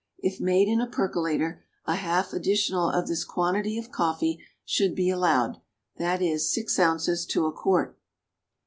If made in a percolator, a half additional of this quantity of coffee should be allowed; that is, six ounces to a quart.